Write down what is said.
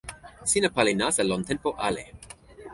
sina pali nasa lon tenpo ale.